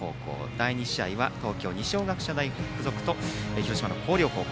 第２試合は東京・二松学舎大付属と広島の広陵高校。